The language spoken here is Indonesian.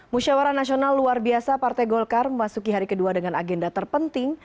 musyawara nasional luar biasa partai golkar memasuki hari kedua dengan agenda terpenting